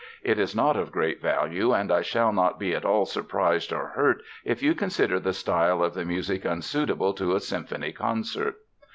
It is not of great value, and I shall not be at all surprised or hurt if you consider the style of the music unsuitable to a symphony concert."